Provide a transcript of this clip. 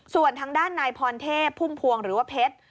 ส่วนทางด้านนายพรเทพพุ่มพวงหรือว่าเพชร